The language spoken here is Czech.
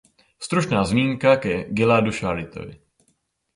Stručná zmínka ke Giladu Shalitovi.